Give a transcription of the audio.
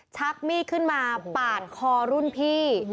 ชักมีดขึ้นมาปาดคอรุ่นพี่